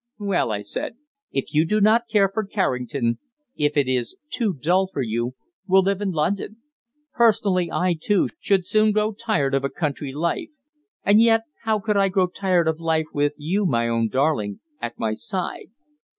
"Well," I said, "if you do not care for Carrington if it is too dull for you we'll live in London. Personally, I, too, should soon grow tired of a country life; and yet how could I grow tired of life with you, my own darling, at my side?"